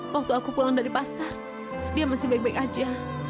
waktu aku pulang dari pasar dia masih baik baik aja